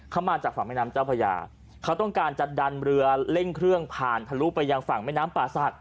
เขามาจากฝั่งแม่น้ำเจ้าพญาเขาต้องการจะดันเรือเร่งเครื่องผ่านทะลุไปยังฝั่งแม่น้ำป่าศักดิ